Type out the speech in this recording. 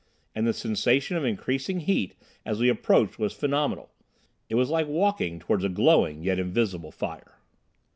And the sensation of increasing heat as we approached was phenomenal. It was like walking towards a glowing yet invisible fire.